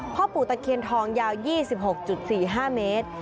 พ่อปู่ตะเคียนทองยาว๒๖๔๕เมตร